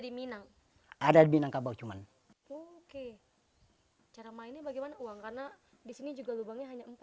di minang ada di minangkabau cuma oke cara mainnya bagaimana uang karena disini juga lubangnya hanya